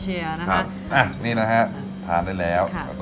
จะเหมือนคนไทยตรงแต่คนแอเชีย